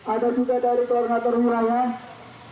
ada juga dari koordinator wilayah